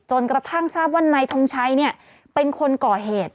กระทั่งทราบว่านายทงชัยเป็นคนก่อเหตุ